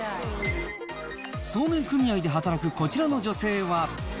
そうめん組合で働くこちらの女性は。